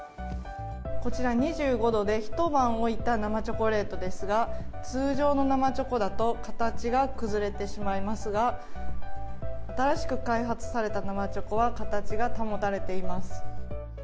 こちら２５度の板の上に置かれたチョコですが通常の生チョコだと形が崩れてしまいますが新しく開発された生チョコは形が保たれています。